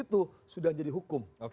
itu sudah jadi hukum